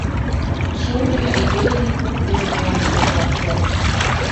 Шым ғына өйгә инеп, үҙ урынына менеп ятты...